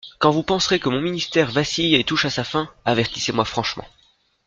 Quand vous penserez que mon ministère vacille et touche à sa fin, avertissez-moi franchement.